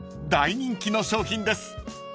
［大人気の商品です］